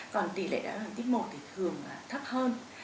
còn tỷ lệ đáy áo đường tiếp một thì thường là thấp hơn